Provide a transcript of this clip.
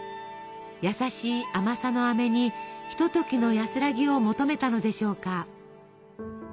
優しい甘さのあめにひとときの安らぎを求めたのでしょうか。